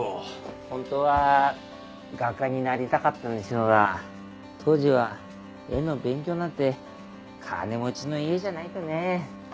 ホントは画家になりたかったんでしょうが当時は絵の勉強なんて金持ちの家じゃないとねぇ。